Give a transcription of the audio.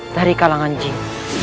dari kalangan jin